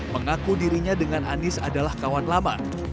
mengaku dirinya dengan anies adalah kawan lama